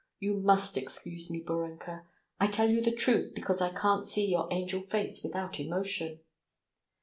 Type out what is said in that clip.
... You must excuse me, Borenka. I tell you the truth, because I can't see your angel face without emotion."